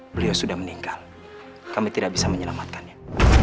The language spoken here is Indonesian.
beliau sudah meninggal kami tidak bisa menyelamatkannya